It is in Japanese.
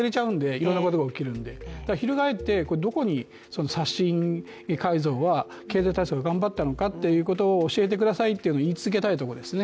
いろいろなことが起こるんで、翻って刷新・改造は経済対策、頑張ったのかというのを教えてくださいと言い続けたいと思いますね。